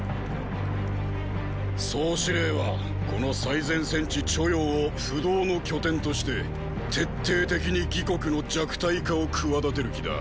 総司令はこの最前線地著雍を不動の拠点として徹底的に魏国の弱体化を企てる気だ。